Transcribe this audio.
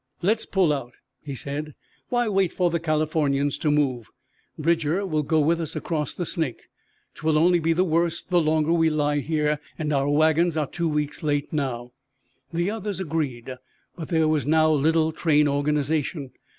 "Lets pull out," he said. "Why wait for the Californians to move? Bridger will go with us across the Snake. 'Twill only be the worse the longer we lie here, and our wagons are two weeks late now." The others agreed. But there was now little train organization.